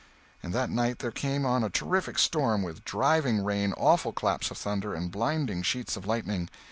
And that night there came on a terrific storm, with driving rain, awful claps of thunder and blinding sheets of lightning.